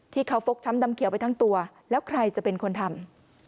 ที่เขาฟกช้ำดำเขียวไปทั้งตัวแล้วใครจะเป็นคนทำ